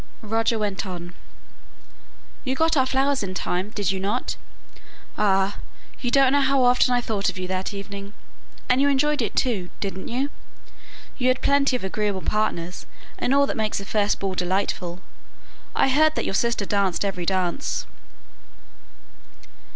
Roger went on, "You got our flowers in time, did you not? Ah! you don't know how often I thought of you that evening! And you enjoyed it too, didn't you? you had plenty of agreeable partners, and all that makes a first ball delightful? I heard that your sister danced every dance."